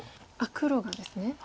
黒がですね。